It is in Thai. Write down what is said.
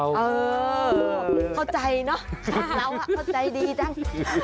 เออเข้าใจเนอะเราเข้าใจดีจัง